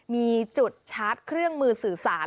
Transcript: มีจุดชาร์จเครื่องมือสื่อสาร